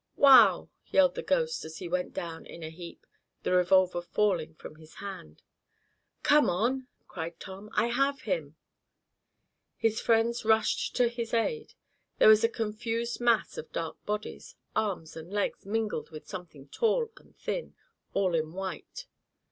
"Wow!" yelled the "ghost," as he went down in a heap, the revolver falling from his hand. "Come on!" cried Tom. "I have him!" His friends rushed to his aid. There was a confused mass of dark bodies, arms and legs mingled with something tall and thin, all in white.